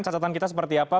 cacatan kita seperti apa